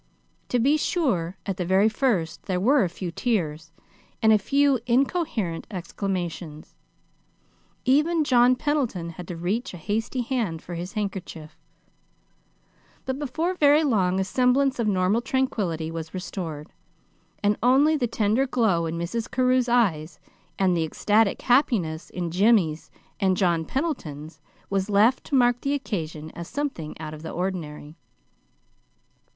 To be sure, at the very first, there were a few tears, and a few incoherent exclamations. Even John Pendleton had to reach a hasty hand for his handkerchief. But before very long a semblance of normal tranquillity was restored, and only the tender glow in Mrs. Carew's eyes, and the ecstatic happiness in Jimmy's and John Pendleton's was left to mark the occasion as something out of the ordinary.